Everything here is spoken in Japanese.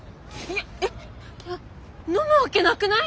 やっ飲むわけなくない！？